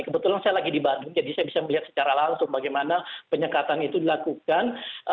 kebetulan saya lagi di bandung jadi saya bisa melihat secara langsung bagaimana penyekatan itu dilakukan